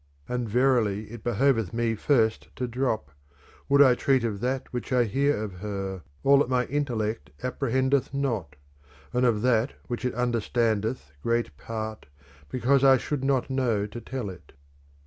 And verily it behoveth me first to drop, Would I treat of that which I hear of her, all that my intellect apprehendeth not : and of that which it understandeth great part, because I should not know to tell it.